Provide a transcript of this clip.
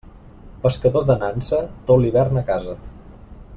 Pescador de nansa, tot l'hivern a casa.